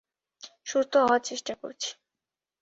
সুস্থ হওয়ার চেষ্টা করছি।